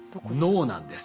脳なんです。